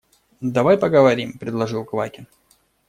– Давай поговорим, – предложил Квакин.